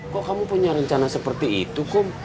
kok kamu punya rencana seperti itu kok